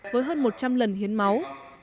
với hơn một trăm linh lần hiến máu